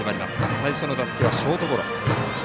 最初の打席はショートゴロ。